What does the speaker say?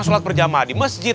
sholat berjamaah di masjid